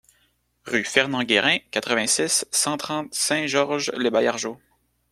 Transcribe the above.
Rue Fernand Guérin, quatre-vingt-six, cent trente Saint-Georges-lès-Baillargeaux